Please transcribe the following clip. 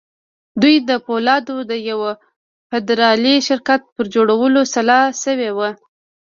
دوی د پولادو د يوه فدرالي شرکت پر جوړولو سلا شوي وو.